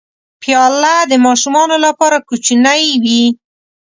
پیاله د ماشومانو لپاره کوچنۍ وي.